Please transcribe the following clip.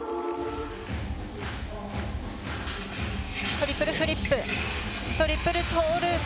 トリプルフリップトリプルトーループ。